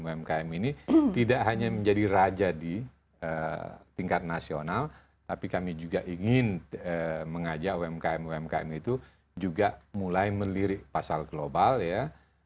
umkm ini tidak hanya menjadi raja di tingkat nasional tapi kami juga ingin mengajak umkm umkm itu juga mulai melirik pasal global ya